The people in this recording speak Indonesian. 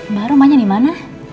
mbak rumahnya di mana